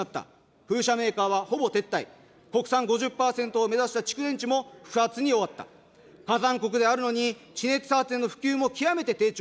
風車メーカーはほぼ撤廃、国産５０％を目指した蓄電池も不発に終わった、火山国であるのに、地熱発電への普及も極めて低調。